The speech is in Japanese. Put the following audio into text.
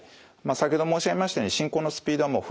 先ほど申し上げましたように進行のスピードはもう分単位です。